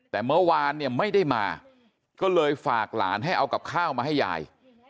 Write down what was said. แต่เมื่อวานเนี่ยไม่ได้มาก็เลยฝากหลานให้เอากับข้าวมาให้ยาย